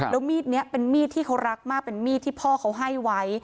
แล้วมีดนี้เป็นมีดที่เขารักมากเป็นมีดที่พ่อเขาให้ไว้